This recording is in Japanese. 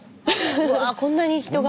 うわこんなに人が。